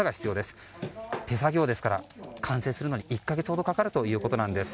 手作業ですから完成するのに１か月ほどかかるということなんです。